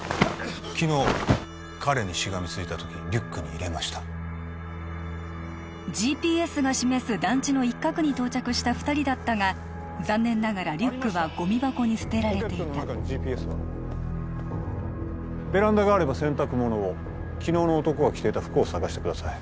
昨日彼にしがみついた時リュックに入れましたＧＰＳが示す団地の一角に到着した二人だったが残念ながらリュックはゴミ箱に捨てられていたベランダがあれば洗濯物を昨日の男が着ていた服を探してください